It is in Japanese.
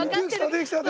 できたな」